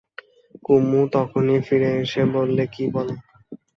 কুমু তখনই ফিরে এসে বললে, কী বলো।